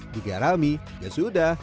digarami ya sudah